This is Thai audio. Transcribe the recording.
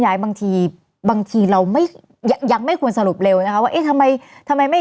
บางทีบางทีเราไม่ยังไม่ควรสรุปเร็วนะคะว่าเอ๊ะทำไมทำไมไม่